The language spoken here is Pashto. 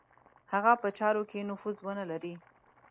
هغه په چارو کې نفوذ ونه لري.